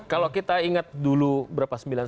kalau kita ingat dulu berapa sembilan